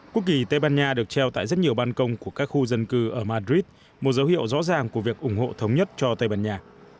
quốc kỳ tây ban nha được treo tại rất nhiều ban công của các khu dân cư ở madrid một dấu hiệu rõ ràng của việc ủng hộ thống nhất cho tây ban nha